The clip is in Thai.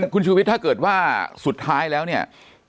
คุณชูวิทย์ถ้าเกิดว่าสุดท้ายแล้วเนี่ย